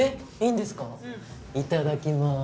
いただきます！